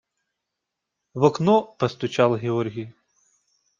В окно постучал Георгий.